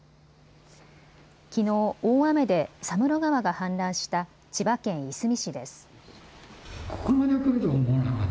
きのう大雨で佐室川が氾濫した千葉県いすみ市です。